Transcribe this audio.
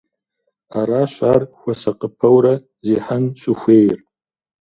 Аращ ар хуэсакъыпэурэ зехьэн щӏыхуейр.